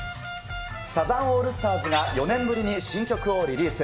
サザンオールスターズが、４年ぶりに新曲をリリース。